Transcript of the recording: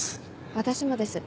私もです